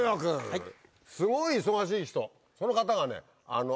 はい。